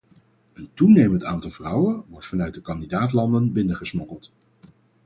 Een toenemend aantal vrouwen wordt vanuit de kandidaat-landen binnengesmokkeld.